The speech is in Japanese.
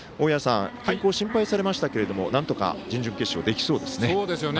天候心配されましたけれどもなんとかなんとか準々決勝できそうですね。